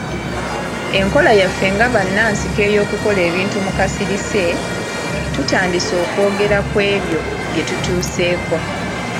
Enkola yaffe nga bannansiko ey'okukola ebintu mu kasirise, tutandike okwogera ku ebyo bye tutuuseeko.